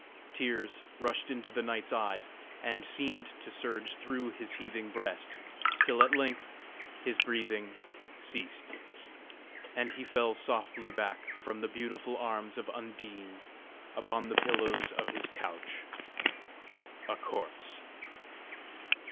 Tears rushed into the knight's eyes, and seemed to surge through his heaving breast, till at length his breathing ceased, and he fell softly back from the beautiful arms of Undine, upon the pillows of his couch a corpse.